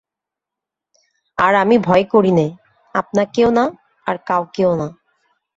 আর আমি ভয় করি নে, আপনাকেও না, আর-কাউকেও না।